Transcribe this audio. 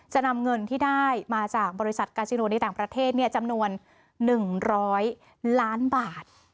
จะนำเงินที่ได้มาจากบริษัทกาซิโนในต่างประเทศจำนวน๑๐๐ล้านบาท